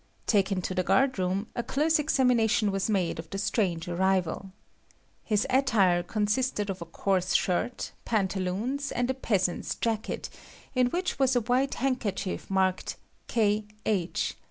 Taken to the guardroom, a close examination was made of the strange arrival. His attire consisted of a coarse shirt, pantaloons, and a peasant's jacket, in which was a white handkerchief marked "K.H."